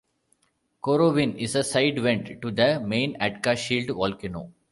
Korovin is a side vent to the main Atka shield volcano.